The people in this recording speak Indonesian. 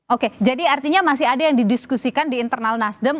oke jadi artinya masih ada yang didiskusikan di internal nasdem